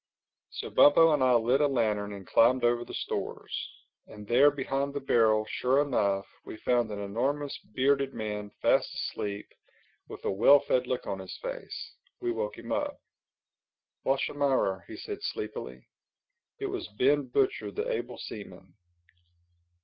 So Bumpo and I lit a lantern and climbed over the stores. And there, behind the barrel, sure enough, we found an enormous bearded man fast asleep with a well fed look on his face. We woke him up. "Washamarrer?" he said sleepily. It was Ben Butcher, the able seaman.